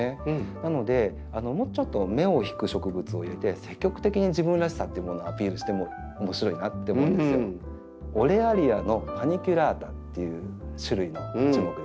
なのでもうちょっと目を引く植物を入れて積極的に自分らしさっていうものをアピールしても面白いなって思うんですよ。という種類の樹木です。